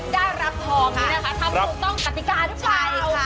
ชิ้นส่วนไหนจะต้องยกไหม